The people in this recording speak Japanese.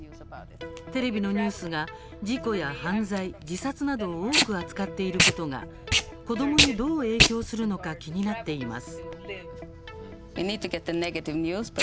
テレビのニュースが事故や犯罪自殺などを多く扱っていることが子どもたちにどう影響するのか気になっています。